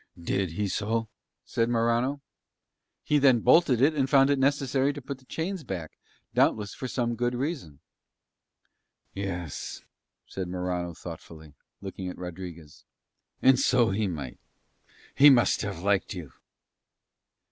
"Did he so?" said Morano. "He then bolted it and found it necessary to put the chains back, doubtless for some good reason." "Yes," said Morano thoughtfully, and looking at Rodriguez, "and so he might. He must have liked you."